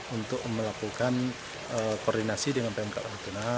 untuk melakukan koordinasi dengan pmk natuna